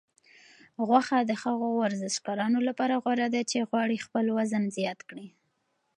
غوښه د هغو ورزشکارانو لپاره غوره ده چې غواړي خپل وزن زیات کړي.